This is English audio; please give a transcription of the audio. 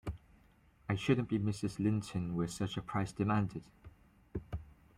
I shouldn’t be Mrs. Linton were such a price demanded!